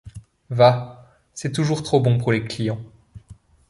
Va, c’est toujours trop bon pour les clients.